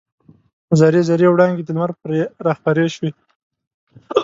زر زري وړانګې د لمر پرې راخپرې شوې.